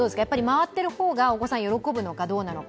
回ってる方がお子さん、喜ぶのかどうなのか。